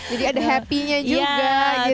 jadi ada happy nya juga gitu ya